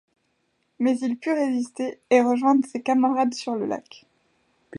Mais il put résister, et rejoindre ses camarades sur le lac.